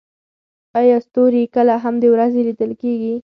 ایا ستوري کله هم د ورځې لیدل کیږي؟